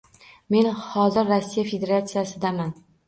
Men hozir Rossiya Federatsiyasidaman.